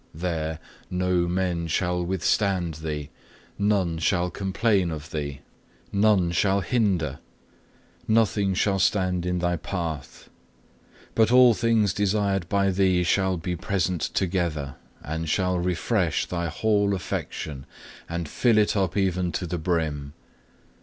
There no man shall withstand thee, none shall complain of thee, none shall hinder, nothing shall stand in thy path; but all things desired by thee shall be present together, and shall refresh thy whole affection, and fill it up even to the brim.